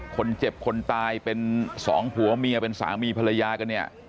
คนเจ็บคนตายเป็นสองผัวเมียเป็นสามีภรรยากันเนี่ย